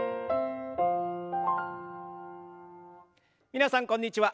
皆さんこんにちは。